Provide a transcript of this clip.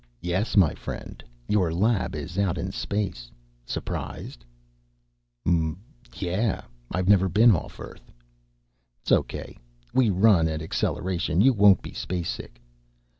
"Yes, my friend, your lab is out in space. Surprised?" "Mmm yeah. I've never been off Earth." "Sokay. We run at acceleration, you won't be spacesick."